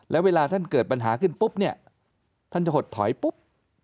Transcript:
แล้วเวลาท่านเกิดปัญหาขึ้นปุ๊บเนี่ยท่านจะหดถอยปุ๊บ